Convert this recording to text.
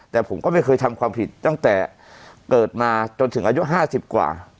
แต่ผมก็ไม่เคยทำความผิดตั้งแต่เกิดมาจนถึงอายุ๕๐กว่า